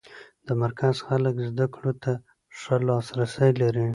د مرکز خلک زده کړو ته ښه لاس رسی لري.